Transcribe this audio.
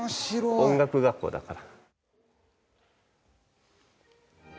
音楽学校だから。